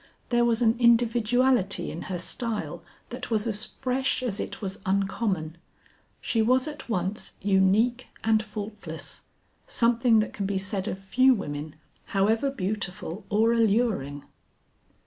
There was an individuality in her style that was as fresh as it was uncommon. She was at once unique and faultless, something that can be said of few women however beautiful or alluring.